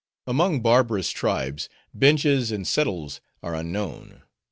Among barbarous tribes benches and settles are unknown.